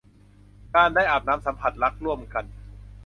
การได้อาบน้ำสัมผัสรักร่วมกัน